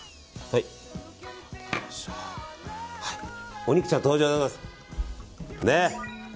お肉ちゃん登場でございます。